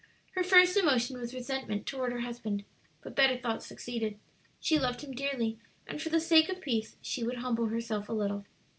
Her first emotion was resentment toward her husband, but better thoughts succeeded. She loved him dearly, and for the sake of peace she would humble herself a little.